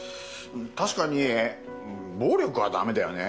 確かに暴力は駄目だよね。